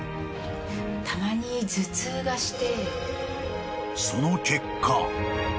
たまに頭痛がして。